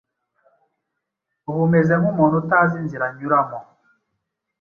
Ub'umeze nk'umuntu utazi inzira anyuramo